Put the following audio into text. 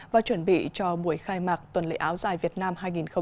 và chuẩn bị cho buổi khai mạc tuần lễ áo dài việt nam hai nghìn hai mươi